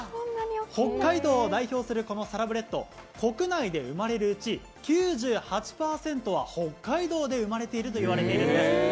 北海道を代表するサラブレット、国内で生まれるうち、９８％は北海道で生まれていると言われているんです。